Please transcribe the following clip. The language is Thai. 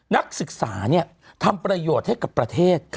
นักศึกษาทำประโยชน์ให้กับประเทศ